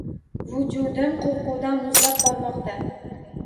Vujudim qo’rquvdan muzlab bormoqda